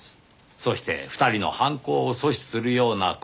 そして２人の犯行を阻止するような行動。